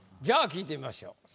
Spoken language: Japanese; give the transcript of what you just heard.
じゃあ聞いてみましょう。